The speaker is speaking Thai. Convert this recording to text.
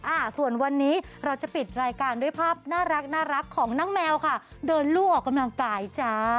อ่าส่วนวันนี้เราจะปิดรายการด้วยภาพน่ารักของน้องแมวค่ะเดินลู่ออกกำลังกายจ้า